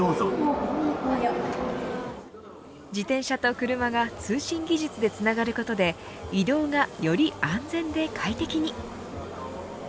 自転車と車が通信技術でつながることで移動がより安全で快適に。